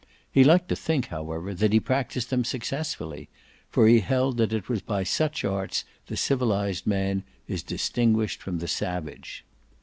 He liked to think however that he practised them successfully; for he held that it was by such arts the civilised man is distinguished from the savage.